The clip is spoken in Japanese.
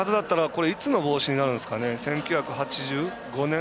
これ、いつの帽子になるんですかね。